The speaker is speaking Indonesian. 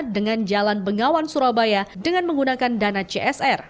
dengan jalan bengawan surabaya dengan menggunakan dana csr